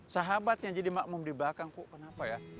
sahabatnya jadi makmum di belakang kok kenapa ya